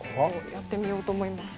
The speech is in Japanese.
やってみようと思います。